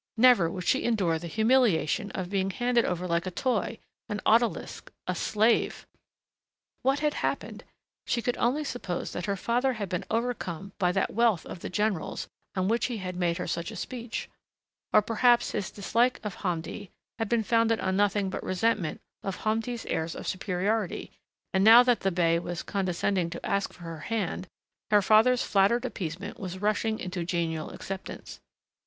Never would she endure the humiliation of being handed over like a toy, an odalisque, a slave.... What had happened? She could only suppose that her father had been overcome by that wealth of the general's on which he had made her such a speech. Or perhaps his dislike of Hamdi had been founded on nothing but resentment of Hamdi's airs of superiority, and now that the bey was condescending to ask for her hand her father's flattered appeasement was rushing into genial acceptance.